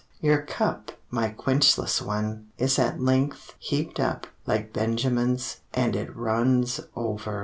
Your cup, my quenchless one, Is at length heaped up, Like Benjamin's, And it runs over!